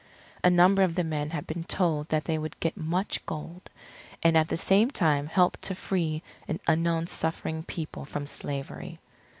A number of the men had been told that they would get much gold, and at the same time help to free an unknown suffering people from slavery.